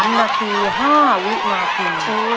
๓นาที๕วินาที